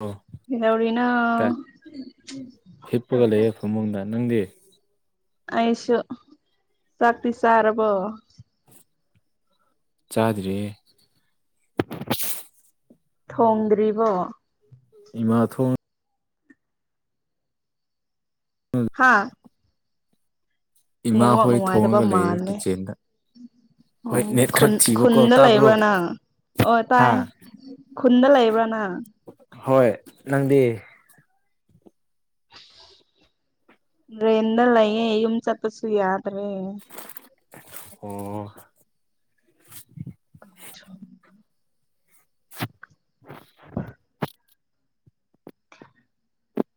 ꯑꯣ ꯀꯩꯗꯧꯔꯤꯅꯣ ꯇꯥꯏ ꯃꯃꯨꯡꯗ ꯅꯪꯗꯤ ꯑꯁꯨ ꯆꯥꯛꯇꯤ ꯆꯥꯔꯕꯣ ꯆꯥꯗ꯭ꯔꯤꯌꯦ ꯊꯣꯡꯗ꯭ꯔꯤꯕꯣ ꯏꯃꯥꯅ ꯊꯣꯡꯉꯤ ꯍꯥꯥ ꯏꯃꯥ ꯅꯦꯠꯋꯥꯛ ꯍꯣꯏ ꯅꯨꯡꯉꯥꯏꯇꯕꯥ ꯊꯣꯡꯉꯒ ꯂꯩꯌꯦ ꯃꯥꯜꯂꯦ ꯀꯤꯠꯆꯦꯟꯗ ꯍꯣꯏ ꯅꯦꯠ ꯑꯣꯟ ꯈꯔ ꯊꯤꯕꯀꯣ ꯈꯨꯨꯟꯗ ꯇꯥꯕ꯭ꯔꯣ ꯂꯩꯕ꯭ꯔꯥ ꯅꯪ ꯑꯣ ꯍꯥ ꯇꯥꯏꯌꯦ ꯈꯨꯟꯗ ꯂꯩꯕ꯭ꯔꯥ ꯅꯪ꯫ ꯍꯣꯏ ꯅꯪꯗꯤ ꯔꯦꯟꯗꯥ ꯂꯩꯌꯦ ꯌꯨ ꯆꯠꯄꯁꯨ ꯌꯥꯗ꯭ꯔꯦ ꯑꯣ [inaudible] [inaudible]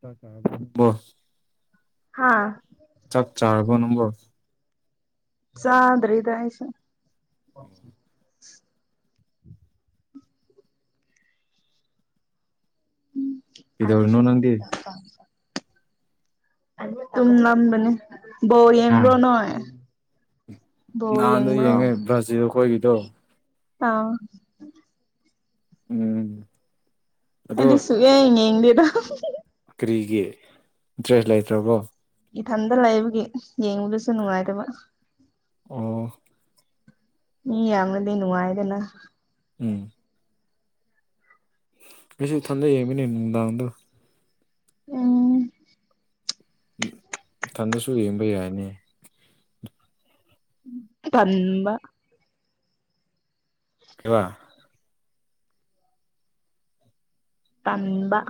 ꯆꯥꯛ ꯆꯥꯔꯕꯣ ꯅꯪꯕꯣ ꯍꯥꯥ ꯆꯥꯛ ꯆꯥꯔꯕꯣ ꯅꯪꯕꯨ ꯆꯥꯗꯔꯤꯗꯥꯥ ꯑꯩꯁꯨ ꯀꯩꯗꯧꯔꯤꯅꯣ ꯅꯪꯗꯤ [unintelligible] ꯇꯨꯝ ꯂꯝꯕꯅꯤ ꯕꯣꯔ ꯍꯥ ꯌꯦꯡꯕ꯭ꯔꯣ ꯅꯣꯏ ꯕꯣꯜ ꯅꯍꯥꯟꯗꯣ ꯌꯦꯡꯕ꯭ꯔꯣ ꯌꯦꯡꯉꯦ ꯕ꯭ꯔꯥꯖꯤꯜ ꯑꯩꯈꯣꯏꯒꯤꯗꯣ ꯑꯥ ꯎꯝ ꯑꯗꯣ ꯑꯗꯤ ꯁꯨꯛꯌꯦꯡ ꯌꯦꯡꯗꯦꯗꯥ ꯀꯔꯤꯒꯤ ꯢꯟꯇ꯭ꯔꯦꯁ ꯂꯩꯇ꯭ꯔꯕꯣ ꯏꯊꯟꯇ ꯂꯩꯕꯒꯤ ꯌꯦꯡꯕꯁꯨ ꯅꯨꯡꯉꯥꯏꯇꯕ꯫ ꯑꯣ ꯃꯤ ꯌꯥꯃꯗꯤ ꯅꯨꯡꯉꯥꯏꯗꯅ ꯎꯝ ꯑꯩꯁꯨ ꯏꯊꯟꯇ ꯌꯦꯡꯗꯣꯢꯅꯦ ꯅꯨꯡꯗꯥꯡꯗꯥ ꯎꯝ ꯏꯊꯟꯇꯁꯨ ꯌꯦꯡꯕ ꯌꯥꯏꯅꯦ ꯇꯟꯕ ꯀꯔꯤꯕ ꯇꯟꯕ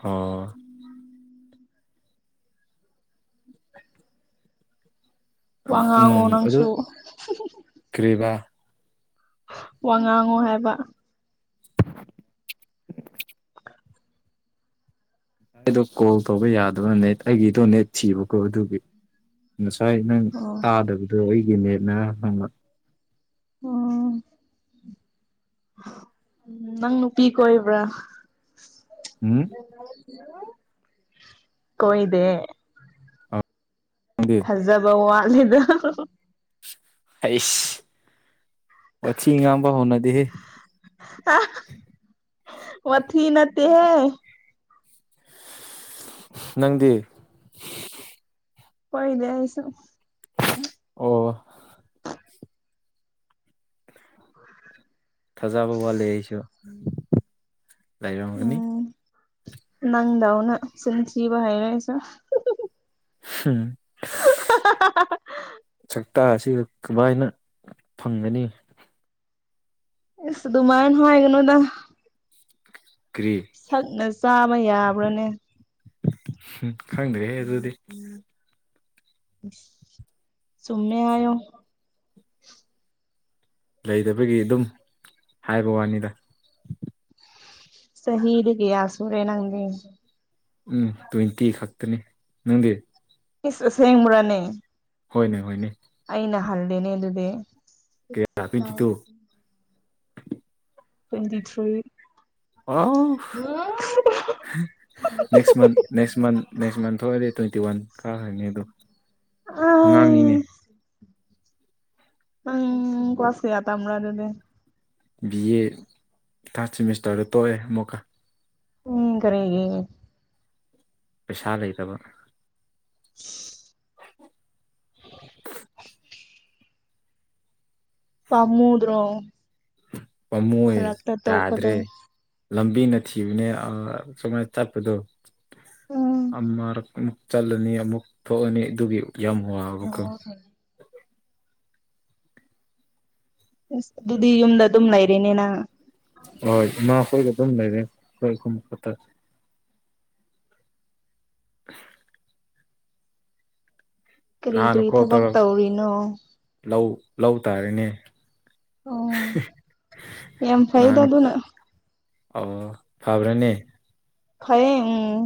ꯑꯣ ꯋꯥ ꯎꯝ ꯉꯥꯡꯉꯣ ꯑꯗꯨ ꯅꯪꯁꯨ ꯀꯔꯤꯕꯥ ꯋꯥ ꯉꯥꯡꯉꯣ ꯍꯥꯏꯕ ꯑꯩꯗꯣ ꯀꯣꯜ ꯇꯧꯕ ꯌꯥꯗꯕ ꯅꯦꯠ ꯑꯩꯒꯤꯗꯣ ꯅꯦꯠ ꯊꯤꯕꯀꯣ ꯑꯗꯨꯒꯤ꯫ ꯉꯁꯥꯏ ꯅꯪ ꯑꯣ ꯇꯥꯗꯕꯗꯣ ꯑꯩꯒꯤ ꯅꯦꯠꯅ ꯑꯣ꯫ ꯎꯝ ꯅꯪ ꯅꯨꯄꯤ ꯀꯣꯏꯕ꯭ꯔꯥ꯫ ꯎꯝ꯫ ꯀꯣꯏꯗꯦ꯫ [inaudible] ꯐꯖꯕ ꯋꯥꯠꯂꯦꯗ꯫ ꯑꯩꯁ ꯋꯥꯊꯤ ꯉꯥꯡꯕ ꯍꯧꯎꯅꯗꯦꯍꯦ꯫ ꯑ ꯋꯥꯊꯤ ꯅꯠꯇꯦꯍꯦ꯫ ꯅꯪꯗꯤ꯫ ꯀꫭꯏꯗꯦ ꯑꯩꯁꯨ꯫ ꯑꯣ꯫ [inaudible] ꯊꯥꯖꯕ ꯋꯥꯠꯂꯦ ꯑꯩꯁꯨ ꯂꯩꯥꯔꯝꯒꯅꯤ꯫ ꯅꯪꯗꯥꯎꯅ ꯆꯤꯟꯊꯤꯕ ꯍꯩꯔꯦ ꯑꯩꯁꯨ꯫ [unintelligible] [unintelligible] ꯁꯛꯇꯥ ꯑꯁꯤꯒ ꯀꯃꯥꯏꯅ ꯐꯪꯒꯅꯤ꯫ ꯏꯁ ꯗꯨꯃꯥꯏꯅ ꯍꯥꯏꯒꯅꯨꯗ꯫ ꯀ꯭ꯔꯤ ꯁꯛꯅ ꯆꯥꯕ ꯌꯥꯕ꯭ꯔꯥꯅꯦ꯫ ꯎꯝ ꯈꯪꯗ꯭ꯔꯦꯍꯦ ꯑꯗꯨꯗꯤ꯫ ꯆꯨꯝꯃꯦ ꯍꯥꯏꯌꫭ꯫ ꯂꯩꯗꯕꯒꯤ ꯑꯗꯨꯝ ꯍꯥꯏꯕ ꯋꯥꯅꯤꯗ꯫ ꯆꯍꯤꯗꯤ ꯀꯌꯥ ꯁꯨꯔꯦ ꯅꯪꯗꯤ꯫ ꯎꯝ ꯇ꯭ꯋꯦꯟꯇꯤ ꯈꯛꯇꯅꯤ ꯅꯪꯗꯤ꯫ ꯏꯁ ꯑꯁꯦꯡꯕ꯭ꯔꯅꯦ꯫ ꯍꯣꯏꯅꯦ-ꯍꯣꯏꯅꯦ꯫ ꯑꯩꯅ ꯍꯜꯂꯦꯅꯦ ꯑꯗꯨꯗꯤ꯫ ꯀꯌꯥ ꯇ꯭ꯋꯦꯟꯇꯤ ꯇꯨ꯫ Twenty three. ꯑꯥꯎ [unintelligible] next month next month next month ꯊꯣꯛꯑꯗꯤ ꯇ꯭ꯋꯦꯟꯇꯤ ꯋꯥꯟ ꯀꯥꯈ꯭ꯔꯅꯤ ꯑꯗꯣ꯫ ꯑꯥꯏ ꯑꯉꯥꯡꯅꯤꯅꯦ꯫ [inaudible] ꯅꯪ ꯀ꯭ꯂꯥꯁ ꯀꯌꯥ ꯇꯝꯕ꯭ꯔꯥ ꯑꯗꯨꯗꯤ꯫ ꯕꯤ ꯑꯦ ꯊꯥꯔꯠ ꯁꯦꯃꯤꯁꯇꯔꯗ ꯇꯣꯛꯑꯦ ꯑꯃꯨꯛꯀ꯫ ꯎꯝ ꯀꯔꯤꯒꯤ꯫ ꯄꯩꯁꯥ ꯂꯩꯇꯕ꯫ [unintelligible] ꯄꯥꯝꯃꯨꯗ꯭ꯔꯣ꯫ ꯄꯥꯝꯃꯨꯑꯦ ꯐꯔꯛꯇ ꯇꯣꯛꯄꯗꯣ ꯌꯥꯗ꯭ꯔꯦ꯫ ꯂꯝꯕꯤꯅ ꯊꯤꯕꯅꯦ ꯑ ꯁꯨꯃꯥꯏ ꯆꯠꯄꯗꯣ꯫ ꯎꯝ ꯑꯃꯔꯛ ꯑꯃꯨꯛ ꯆꯠꯂꯅꯤ ꯑꯃꯨꯛ ꯊꯣꯛꯑꯅꯤ ꯑꯗꯨꯒꯤ ꯌꯥꯝ ꯋꯥꯕꯀꯣ꯫ ꯑꯁ ꯑꯗꯨꯗꯤ ꯌꯨꯝꯗ ꯑꯗꯨꯝ ꯂꯩꯔꯦꯅꯦ ꯅꯪ꯫ ꯍꯣꯏ ꯏꯃꯥꯈꯣꯏꯒ ꯑꯗꯨꯝ ꯂꯩꯔꯦ ꯑꯩꯈꯣꯏ ꯑꯍꯨꯝ ꯈꯛꯇ꯫ [unintelligible] ꯀꯔꯤ ꯅꯍꯥꯟꯅ ꯀꯔꯤ ꯀꯣꯜ ꯊꯕꯛ ꯇꯧꯔꯛ ꯇꯧꯔꯤꯅꯣ ꯂꯧ ꯂꯧ ꯇꯥꯔꯦꯅꯦ꯫ ꯑꯣ [unintelligible] ꯌꯥꯝ ꯐꯩꯗ ꯅꯥꯟ ꯑꯗꯨꯅ ꯑꯣ ꯐꯕ꯭ꯔꯥꯅꯦ꯫ ꯐꯌꯦ ꯎꯪ꯫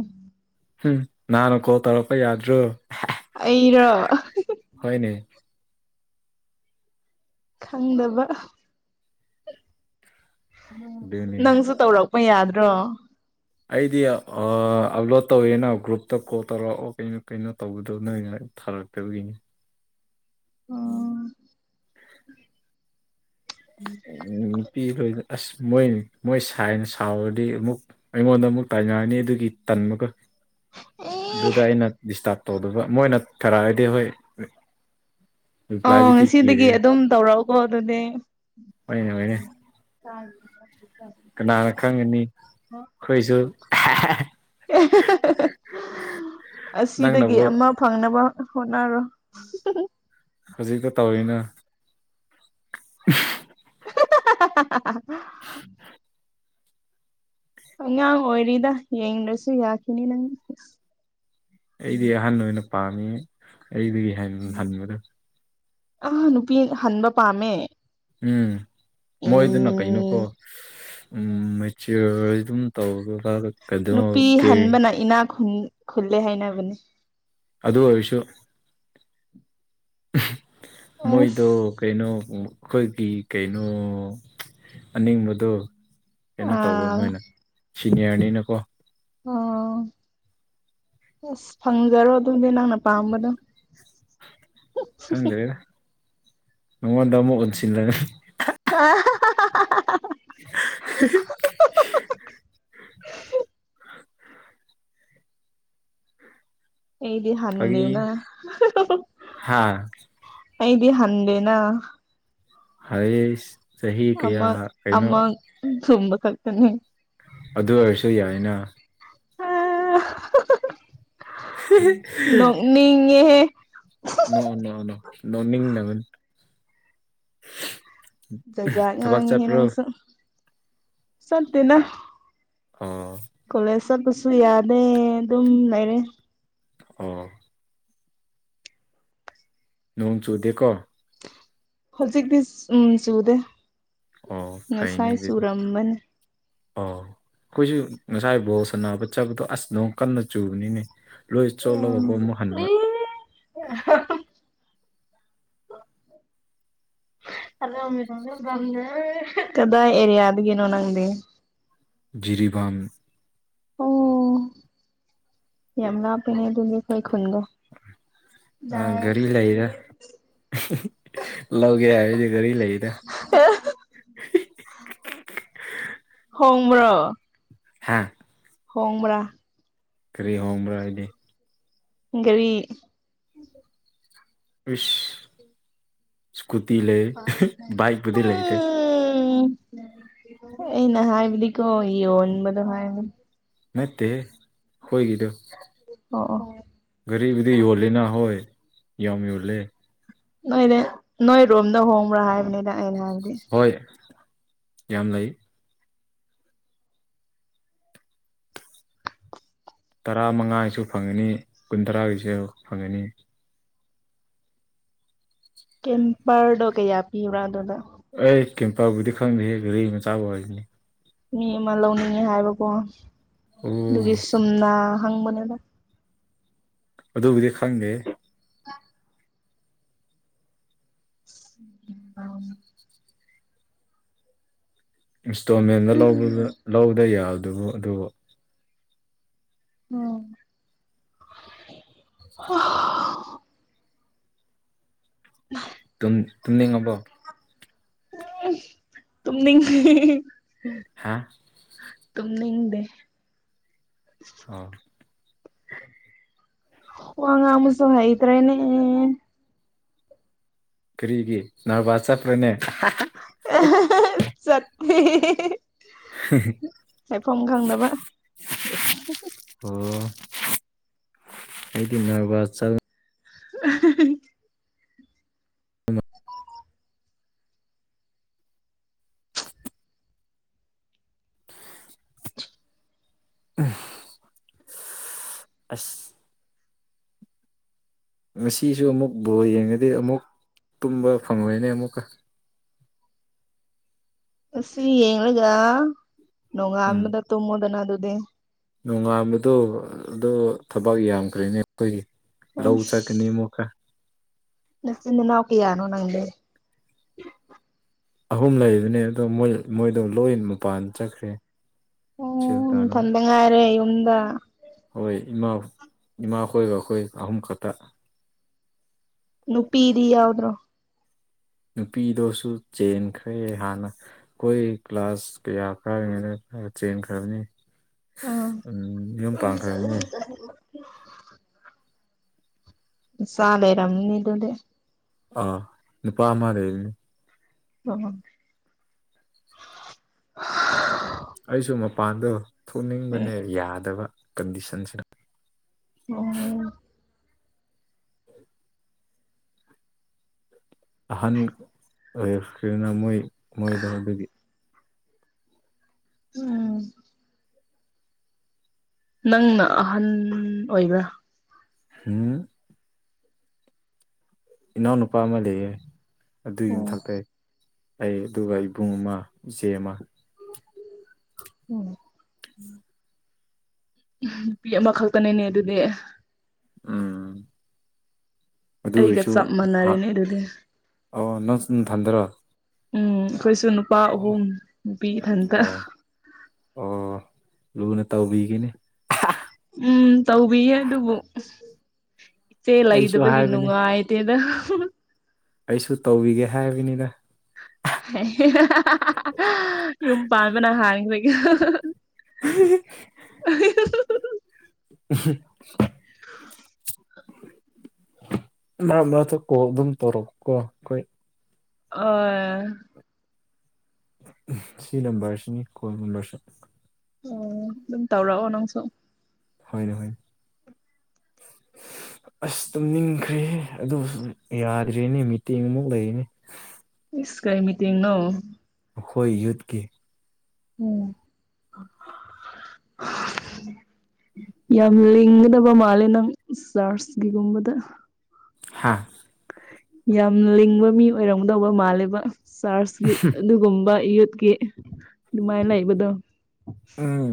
ꯎꯝ ꯅꯥꯍꯥꯟꫪ ꯀꯣꯜ ꯇꯧꯔꯛꯄ ꯌꯥꯗ꯭ꯔꯣ꯫ ꯑꯩꯔꯣ ꯍꫭꯏꯅꯦ ꯈꯪꯗꯕ ꯑꯗꯨꯅꯦ ꯅꯪꯁꯨ ꯇꯧꯔꯛꯄ ꯌꯥꯗ꯭ꯔꯣ ꯑꯩꯗꯤ ꯑꯞꯂꯣꯗ ꯇꯧꯋꯦꯅ ꯒ꯭ꯔꯨꯞꯇ ꯀꯣꯜ ꯇꯧꯔꯛꯑꯣ ꯀꯩꯅꯣ ꯀꯩꯅꯣ ꯇꯧꯕꯗꫭ ꯅꯣꯏ ꯊꯥꯔꯛꯇꯕꯒꯤꯅꯤ ꯎꯝ [unintelligible] ꯅꯨꯄꯤ ꯂꯣꯏ ꯑꯁ ꯃꯣꯏ ꯃꯣꯏ ꯁꯥꯏꯅ ꯁꯥꯎꯔꯗꯤ ꯑꯃꯨꯛ ꯑꯩꯉꯣꯟꯗ ꯑꯃꯨꯛ ꯇꯥꯏꯅꯔꯅꯤ ꯑꯗꯨꯒꯤ ꯇꯟꯕꯒꯥ ꯑꯗꯨꯗ ꯑꯩꯅ ꯗꯤꯁꯇꯥꯔꯠ ꯇꯧꯗꯕ ꯃꯣꯏꯅ ꯊꯔꯛꯑꯗꯤ ꯍꯣꯏ ꯑꯣ ꯔꯤꯄ꯭ꯂꯥꯏꯕꯨꯗꯤ ꯉꯁꯤꯗꯒꯤ ꯄꯤꯔꯦ ꯑꯗꯨꯝ ꯇꯧꯔꯛꯎꯀꯣ ꯑꯗꯨꯗꯤ ꯍꯣꯏꯅꯦ ꯍꯣꯏꯅꯦ ꯇ [unintelligible] ꯀꯅꯥꯅ ꯈꯪꯒꯅꯤ ꯑꯩꯈꯣꯏꯁꯨ ꯑꯁꯤꯗꯒꯤ ꯅꯪꯅꯕꯨ ꯑꯃ ꯐꯪꯅꯕ ꯍꯣꯠꯅꯔꯣ ꯍꯧꯖꯤꯛꯇ ꯇꯧꯋꯔꯤꯅ ꯎ [unintelligible] [unintelligible] ꯑꯉꯥꯡ ꯑꯣꯏꯔꯤꯗ ꯌꯦꯡꯗꯁꯨ ꯌꯥꯈꯤꯅꯤ ꯅꯪ ꯑꯩꯗꯤ ꯑꯍꯟ ꯑꯣꯏꯅ ꯄꯥꯝꯃꯤ ꯑꯩꯗꯒꯤ ꯍꯟꯕꯗꫭ ꯑꯥ ꯅꯨꯄꯤ ꯍꯟꯕ ꯄꯥꯝꯃꯦ ꯎꯝ ꯃꯣꯏꯗꯅ ꯀꯩꯅꯣꯀꯣ ꯎꯝ ꯎꯝ ꯆꯤꯌꯔ ꯑꯗꯨꯝ ꯇꯧꯔꯒ ꯀꯩꯅꯣ ꯅꯨꯄꯤ ꯀꯦ ꯍꯟꯕꯅ ꯏꯅꯥ ꯈꯨ ꯈꯨꯜꯂꯦ ꯍꯥꯏꯅꯕꯅꯤ ꯑꯗꯨ ꯑꯣꯏꯁꯨ ꯃꯣꯏꯗꫭ ꯑꯁ ꯀꯩꯅꯣ ꯑꯩꯈꯣꯏꯒꯤ ꯀꯩꯅꯣ ꯑꯅꯤꯡꯕꯗꯣ ꯀꯩꯅꯣ ꯇꯧꯕ ꯑꯥ ꯃꯣꯏꯅ ꯁꯤꯅꯤꯌꯥꯔꯅꯤꯅꯀꯣ ꯑꯣ ꯑꯁ ꯐꯪꯖꯔꯣ ꯑꯗꯨꯗꯤ ꯅꯪꯅ ꯄꯥꯝꯕꯗꯣ ꯈꯪꯗꯦꯗ ꯅꯪꯉꫭꯟꯗ ꯑꯃꯨꯛ ꯑꫭꯟꯁꯤꯜꯂꯒ ꯑ [unintelligible] [unintelligible] ꯑꯩꯗꯤ ꯍꯟꯗꯦꯅ ꯐꯥꯒꯤ ꯍꯥ ꯑꯩꯗꯤ ꯍꯟꯗꯦꯅ ꯍꯩꯏꯁ ꯆꯥꯍꯤ ꯀꯌꯥ ꯀꯩꯅꯣ ꯊꯨꯝꯕꯈꯛꯇꯅꯤ ꯑꯗꯨ ꯑꯣꯏꯔꯁꯨ ꯌꯥꯏꯅ ꯍꯥ [unintelligible] [unintelligible] ꯅꯤꯡꯉꯦꯍꯦ ꯅ ꫭꯅꫭ ꯅꫭ ꯅꫭꯛꯅꯤꯡꯅꯕꯅꯦ ꯖꯥꯠ ꯖꯠ ꯉꯥꯥꯡꯉꯤꯍꯦ ꯅꯪꯁꯨ ꯆꯠꯇꯦꯅ ꯑꯣ ꯀꯣꯂꯦꯁ ꯆꯠꯄꯁꯨ ꯌꯥꯗꯦ ꯑꯗꯨꯝ ꯂꯩꯔꯦ ꯑꯣ ꯅꯣꯡ ꯆꯨꯗꯦꯀꯣ ꯍꯧꯖꯤꯛꯇꯤ ꯎꯝ ꯆꯨꯗꯦ ꯑꯣ ꯉꯁꯥꯏ ꯆꯨꯔꯝꯕꯅꯤ꯫ ꯑ ꯑꯩꯈꯣꯏꯁꯨ ꯉꯁꯥꯏ ꯕꫭꯜ ꯁꯥꯟꯅꯕ ꯆꯠꯄꯗꯣ ꯑꯁ ꯅꫭꯡ ꯀꯟꯅ ꯆꯨꯕꯅꯤꯅꯦ ꯂꯣꯏ ꯆꯣꯠꯂꯒꯀꫭ ꯑꯃꯨꯛ ꯍꯟꯕ [unintelligible] [unintelligible] ꯀꯗꯥꯏ ꯑꯦꯔꯤꯌꯥꯗꯒꯤꯅꯣ ꯅꯪꯗꯤ ꯖꯤꯔꯤꯕꯥꯝ꯫ ꯑꯣ ꯌꯥꯝ ꯂꯥꯞꯄꯅ‌ꯦ ꯑꯗꯨꯅꯦ ꯑꯈꯣꯏ ꯈꯨꯟꯗꯨ꯫ ꯑꯥ ꯒꯥꯔꯤ ꯂꯩꯔ [unintelligible] ꯂꯧꯒꯦ ꯍꯥꯏꯑꯗꯤ ꯒꯔꯤ ꯂꯩꯗ [unintelligible] ꯍꯣꯡꯕ꯭ꯔꯣ꯫ ꯍꯥꯥ꯫ ꯍꯣꯡꯕ꯭ꯔꯥ ꯀꯔꯤ ꯍꯣꯡꯕ꯭ꯔꯥ ꯍꯥꯏꯗꯤ꯫ ꯒꯔꯤ꯫ ꯏꯁ ꯏꯁꯀꯨꯇꯤ ꯂꯩ ꯕꯥꯏꯛ ꯄꯨꯗꯤ ꯂꯩꯇ‍ꯦ ꯎꯝ ꯑꯩꯅ ꯍꯥꯏꯕꯗꯤ ꯀꯣ ꯌ‌ꯣꯟꯕꯗ‌ꯣ ꯍꯥꯏꯝꯅꯤ ꯅꯠꯇꯦꯍꯦ ꯑꯩꯈꯣꯏꯒꯤꯗꯣ ꯑꯣ ꯑꯣ ꯒꯥꯔꯤꯕꯨꯗꯤ ꯌꯣꯜꯂꯦꯅ ꯍꯣꯏ ꯌꯥꯝ ꯌꯣꯜꯂꯦ꯫ ꯅꯣꯏꯅ‌ꯦ ꯅꯣꯏ ꯔꯣꯝꯅ ꯍꯣꯡꯕ꯭ꯔꯥ ꯍꯥꯏꯕꯅꯦ꯫ [unintelligible] ꯍꯣꯏ ꯌꯥꯝ ꯂꯩ ꯇꯔꯥ ꯃꯉꯥꯒꯤꯁꯨ ꯐꯪꯉꯅꯤ ꯀꯨꯟ ꯇꯔꯥꯒꯤꯁꯨ ꯐꯪꯒꯅꯤ꯫ ꯀꯦꯝꯄꯔꯗꯣ ꯀꯩꯌꯥ ꯄꯤꯕ꯭ꯔ ꯑꯗꯨꯗ ꯑꯩ ꯀꯩꯝꯄꯔꯕꯨꯗꯤ ꯈꯪꯗꯦ ꯒꯥꯔꯤ ꯃꯆꯥꯕ ꯑꯣꯏꯅꯤ ꯃꯤ ꯑꯃ ꯂꯧꯅꯤꯡꯉꯦ ꯍꯥꯏꯕꯀꯣ ꯑꯣ ꯑꯗꯨꯒꯤ ꯁꯨꯝꯅ ꯍꯪꯕꯅꯦꯕ ꯑꯗꯨꯕꯨꯗꯤ ꯈꯪꯗꯦ [inaudible] ꯏꯟꯁꯇꯣꯜꯃꯦꯟꯗ ꯂꯧꯕꯗ‌ꫭ ꯂꯧꯗ ꯌꯥꯗꯕ꯭ꯔꫭ ꯑꯗꯨꯕꫭ꯫ ꯍꯥ [inaudible] ꯇꯨꯝ ꯇꯨꯝꯅꯤꯡꯉꯕꯣ ꯇꯨꯝꯅꯤꯡ ꯉꯤ꯫ ꯍꯥꯥ꯫ ꯇꯨꯝꯅꯤꯡꯗꯦ꯫ ꯑꯣ ꯋꯥ ꯉꯥꯡꯕꯁꯨ ꯍꯩꯗ꯭ꯔꯦꯅꯦ꯫ ꯀꯔꯤꯒꯤ ꯅꯔꯚꯁ ꯆꯠꯄ꯭ꯔꯅꯦ ꯑꯩ ꯆꯠꯄꯤ ꯍꯥꯏꯐꯝ ꯈꯪꯗꯕ [unintelligible] ꯑ‌ꯣ ꯑꯩꯗꯤ ꯅꯔꯚꯕ ꯆꯜ [unintelligible] [inaudible] ꯑꯁ ꯉꯁꯤꯁꯨ ꯑꯃꯨꯛ ꯕꯣ ꯌꯦꯡꯉꯗꯤ ꯑꯃꯨꯛ ꯇꯨꯝꯕ ꯐꯪꯉꯣꯏꯅꯦ ꯑꯃꯨꯛꯀ ꯉꯁꯤ ꯌꯦꯡꯂꯒ ꯅꯣꯡꯉꯥꯟꯕꯗ ꯇꯨꯝꯃ‍ꯣꯗꯅ ꯑꯗꯨꯗꯤ ꯅꯣꯡꯉꯥꯟꯕꯗ‌ꯣ ꯑꯗ‌ꯣ ꯊꯕꯛ ꯌꯥꯝꯈ꯭ꯔꯦꯅꯦ ꯑꯈꯣꯏꯒꯤ꯫ ꯂꯧ ꯑꯁ ꯆꯠꯀꯅꯤꯃꯣꯛꯀ꯫ ꯅꯆꯤꯟ ꯅꯅꯥꯎ ꯀꯌꯥꯅꯣ ꯅꯪꯗꯤ ꯑꯍꯨꯝ ꯂꯩꯕꯅꯦ ꯑꯗꯣ ꯃꯣꯏ ꯃꯣꯏꯗꯣ ꯂꯣꯏ ꯃꯄꯥꯟ ꯆꯠꯈ꯭ꯔꯦ ꯁꯦꯜ ꯇꯥꯅꯕ ꯉꯥꯔꯦ ꯌꯨꯝꯗ꯫ ꯍꯣꯏ ꯏꯃꯥ ꯏꯃꯥꯈꯣꯏꯒ ꯑꯈꯣꯏꯒ ꯑꯍꯨꯝ ꯈꯇ ꯅꯨꯄꯤꯗꯤ ꯌꯥꯎꯗ꯭ꯔꯣ꯫ ꯅꯨꯄꯤꯗꯣꯁꯨ ꯆꯦꯟꯈ꯭ꯔꯦ ꯍꯥꯟꯅ꯫ ꯑꯈꯣꯏ ꯀ꯭ꯂꯥꯁ ꯀꯌꯥ ꯀꯥꯔꯤꯉꯩꯅꫭ ꯆꯦꯟꯈ꯭ꯔꯕꯅꯤ꯫ ꯑꯥ ꯎꯝ ꯌꯨꯝ ꯄꯥꯟꯈ꯭ꯔꯕꯅꯤ ꯆ ꯂꯩꯔꯝꯅꯤ ꯑꯗꯨꯗꯤ ꯑꯥ ꯅꯨꯄ ꯃꯥꯂꯩꯔꯦ [unintelligible] ꯑꯩꯁꯨ ꯃꯄꯥꯟꯗꯣ ꯊꯣꯛꯅꯤꯡꯕꯅꯦ ꯌꯥꯗꯕ ꯀꯟꯗꯤꯁꯟꯁꯤꯅ ꯑꯣ [unintelligible] ꯑꯍꯟ ꯑꯣꯏꯔꯛꯈꯤꯕꯅ ꯃꯣꯏ ꯃꯣꯏꯗꯣ ꯑꯗꯨꯒꯤ ꯎꯝ ꯅꯪꯅ ꯑꯍꯟ ꯑꯣꯏꯕ꯭ꯔꯥ ꯍꯝ ꯏꯅꯥꯎꯅꯨꯄꯥ ꯑꯃ ꯂꯩꯌꯦ ꯑꯗꯨꯒꯤ ꯑꯣ ꯃꯊꯛꯇꯩ ꯑꯩ ꯑꯗꯨꯒ ꯏꯕꯨꯡ ꯑꯃ ꯏꯆꯦ ꯑꯃ [unintelligible] [unintelligible] [inaudible] ꯅꯨꯄꯤ ꯑꯃꯈꯛꯇꯅꯦꯅꯦ ꯑꯗꯨꯗꯤ ꯎꯝ ꯑꯗꯨ ꯑꯩꯒ ꯑꯣꯏꯔꯁꯨ ꯆꯞ ꯃꯥꯟꯅꯔꯦꯅꯦ ꯑꯗꯨꯗꯤ ꯑꯣ ꯅꯪ ꯁꯨ ꯅꯊꯟꯗꯔꯣ ꯎꯝ ꯑꯩꯈꯣꯏꯁꯨ ꯅꯨꯄꯥ ꯑꯣ ꯑꯍꯨꯝ ꯅꯨꯄꯤ ꯏꯊꯟꯇ ꯑꯣ ꯑꯣ ꯂꯨꯅ ꯇꯧꯕꯤꯒꯅꯤ ꯎꯝ ꯇꯧꯕꯤꯌꯦ ꯑꯗꯨꯕꯨ ꯏꯆꯦ ꯑꯩꯁꯨ ꯂꯩꯗꯕꯒꯤ ꯍꯥꯏꯕꯅꯤ ꯅꯨꯡꯉꯥꯏ ꯇꯦꯗ ꯑꯩꯁꯨ ꯇꯧꯕꯤꯒꯦ ꯍꯥꯏꯕꯅꯤꯗ ꯌꯨꯝ ꯄꯥꯟꯕꯅ ꯍꯥꯟꯈꯔꯒꯦ [unintelligible] [unintelligible] [inaudible] ꯃꯔꯛ ꯃꯔꯛ ꯀꯣꯜ ꯑꯗꯨꯝ ꯇꯧꯔꯛ ꯑꯣ ꯀꯣ ꯑꯥ ꯁꯤ ꯅꯝꯕꯔꯁꯤꯅꯤ ꯀꯣꯜ ꯅꯝꯕꯔꯁꯨ ꯑꯣ ꯑꯗꯨꯝ ꯇꯧꯔꯛꯑꯣ ꯅꯪꯁꯨ ꯍꯣꯏꯅꯦ ꯍꯣꯏ ꯑꯁ ꯇꯨꯝꯅꯤꯡꯈ꯭ꯔꯦꯍ ꯑꯗꯨ ꯌꯥꯗ꯭ꯔꯦꯅꯦ ꯃꯤꯇꯦꯡ ꯑꯃꯨꯛ ꯂꯩꯔꯤꯅꯦ ꯏꯁ ꯀꯩ ꯃꯤꯇꯤꯡ ꯅꯣ ꯑꯩꯈꯣꯏ ꯌꯨꯠꯀꯤ ꯎꯝ [unintelligible] [inaudible] ꯌꯥꯝ ꯂꯤꯡꯒꯗꯕ ꯃꯥꯜꯂꯦ ꯅꯪ ꯆꯔꯆꯀꯤꯒꯨꯝꯕꯗ ꯍꯥꯥ ꯌꯥꯝ ꯂꯤꯡꯕ ꯃꯤ ꯑꯣꯏꯔꯝꯒꯗꯧꯕ ꯃꯥꯜꯂꯦꯕ ꯆꯥꯔꯆꯀꯤ ꯑꯗꯨꯒꯨꯝꯕ ꯌꯨꯠꯀꯤ ꯑꯗꯨꯃꯥꯏꯟ ꯂꯩꯕꯗꯣ ꯎꯝ